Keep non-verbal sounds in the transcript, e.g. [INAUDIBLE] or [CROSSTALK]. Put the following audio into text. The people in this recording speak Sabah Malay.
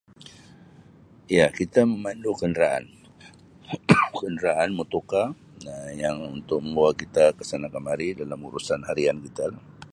Ya kita memandu kenderaan. [COUGHS] Kenderaan motorcar Um yang untuk membawa kita ke sana ke mari dalam urusan harian kita.